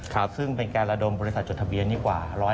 ซึ่งเป็นการระดมบริษัทจดทะเบียนดีกว่า